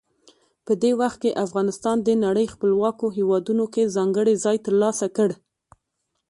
په دې وخت کې افغانستان د نړۍ خپلواکو هیوادونو کې ځانګړی ځای ترلاسه کړ.